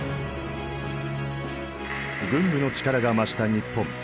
軍部の力が増した日本。